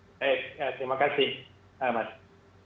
oke terima kasih mas